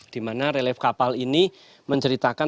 di mana relief kapal ini menceritakan